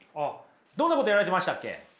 どんなことやられてましたっけ？